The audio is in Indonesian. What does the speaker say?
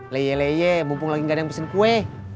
leye leye mumpung lagi gak ada yang pesen kue